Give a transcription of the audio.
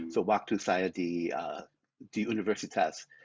so waktu saya di universitas